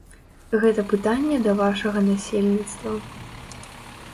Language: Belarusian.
Гэта пытанне да вашага насельніцтва.